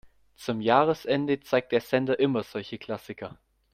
Zum Jahresende zeigt der Sender immer solche Klassiker.